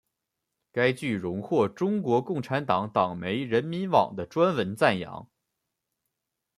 该剧荣获中国共产党党媒人民网的专文赞扬。